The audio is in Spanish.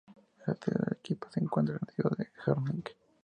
La sede del equipo se encuentra en la ciudad de Herning.